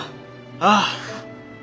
ああ！